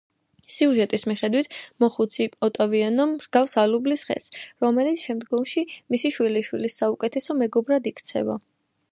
სიუჟეტის მიხედვით, მოხუცი ოტავიანო რგავს ალუბლის ხეს, რომელიც შემდგომში მისი შვილიშვილის საუკეთესო მეგობრად იქცევა.